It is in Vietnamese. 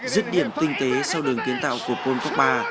giất điểm tinh tế sau đường kiến tạo của pol pogba